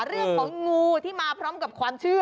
เรื่องของงูที่มาพร้อมกับความเชื่อ